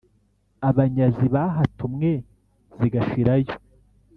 Abanyazi bahatumwe zigashirayo,